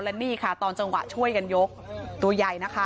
และนี่ค่ะตอนจังหวะช่วยกันยกตัวใหญ่นะคะ